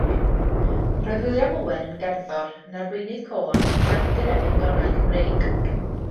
Roedd William Owen yn gerddor, yn arweinydd côr ac yn awdur emyn-donau Cymreig.